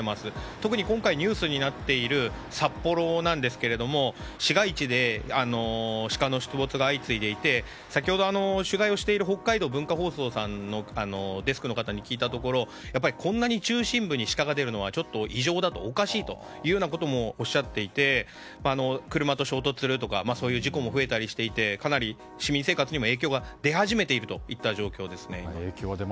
特に今回ニュースになっている札幌なんですが市街地でシカの出没が相次いでいて、先ほど取材をしている北海道文化放送さんのデスクの方に聞いたところこんなに中心部にシカが出るのはちょっと異常でおかしいということもおっしゃっていて車と衝突するとかそういう事故も増えたりしてかなり市民生活にも、影響が出始めているといった状況です。